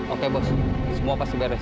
oke bos semua pasti beres